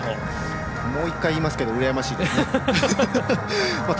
もう１回言いますけど羨ましいです。